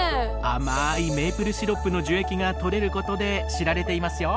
甘いメープルシロップの樹液がとれることで知られていますよ。